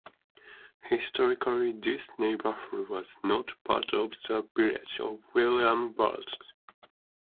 Historically, this neighborhood was not part of the Village of Williamsburgh.